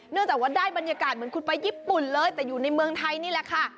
จากว่าได้บรรยากาศเหมือนคุณไปญี่ปุ่นเลยแต่อยู่ในเมืองไทยนี่แหละค่ะ